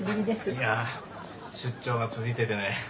いや出張が続いててね。